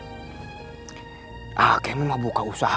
a'ah kemi mau buka usaha